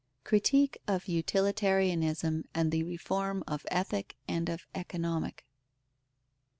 _Critique of utilitarianism and the reform of Ethic and of Economic.